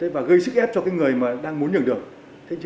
và gây sức ép cho người đang muốn nhường đường